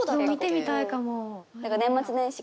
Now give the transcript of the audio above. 見てみたいかも。